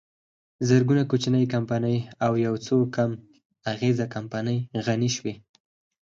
زرګونه کوچنۍ او یوڅو کم اغېزه کمپنۍ غني شوې